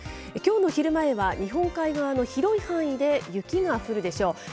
きょうの昼前は日本海側の広い範囲で雪が降るでしょう。